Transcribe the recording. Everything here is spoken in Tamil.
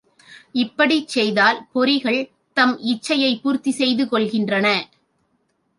இப்படிச் செய்தால் பொறிகள் தம் இச்சையைப் பூர்த்தி செய்து கொள்கின்றன.